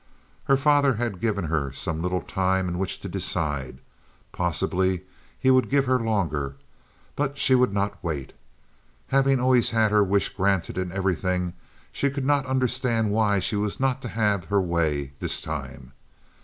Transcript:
Her father had given her some little time in which to decide—possibly he would give her longer—but she would not wait. Having always had her wish granted in everything, she could not understand why she was not to have her way this time.